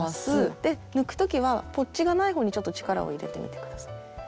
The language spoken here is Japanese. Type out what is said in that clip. で抜く時はポッチがない方にちょっと力を入れてみて下さい。